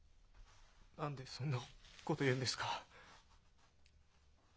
何でそんなこと言うんですか？